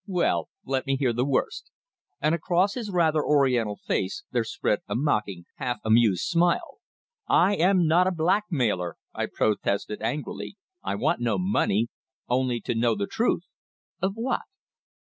Well let me hear the worst," and across his rather Oriental face there spread a mocking, half amused smile. "I am not a blackmailer!" I protested angrily. "I want no money only to know the truth." "Of what?"